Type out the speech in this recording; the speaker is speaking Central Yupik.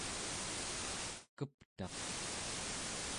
keptaq